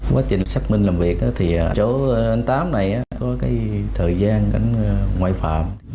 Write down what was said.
quá trình xác minh làm việc thì chỗ anh tám này có cái thời gian gắn ngoài phòng